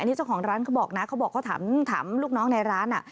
อันนี้เจ้าของร้านเขาบอกนะเขาถามลูกน้องในร้าน